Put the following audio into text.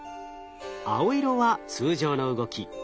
青色は通常の動き。